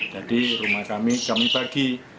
jadi rumah kami kami bagi